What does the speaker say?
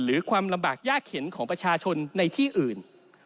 ความลำบากยากเข็นของประชาชนในที่อื่น